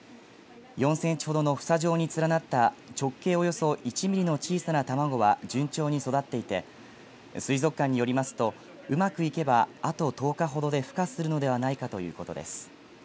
４センチほどの房状に連なった直径およそ１ミリの小さな卵は順調に育っていて水族館によりますとうまくいけばあと１０日ほどでふ化するのではないかということです。